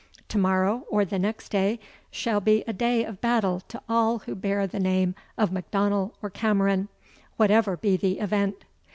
To morrow, or the next day, shall be a day of battle to all who bear the name of M'Donnell or Cameron, whatever be the event."